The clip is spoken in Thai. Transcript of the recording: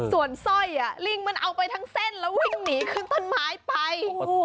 ส่วนสร้อยลิงมันเอาไปทั้งเส้นแล้ววิ่งหนีขึ้นต้นไม้ไป